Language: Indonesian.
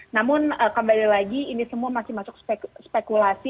namun kembali lagi ini semua masih masuk spekulasi